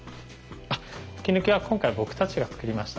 吹き抜けは今回僕たちが造りました。